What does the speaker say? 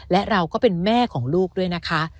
และเราก็เป็นแม่ของลูกด้วยนะคะ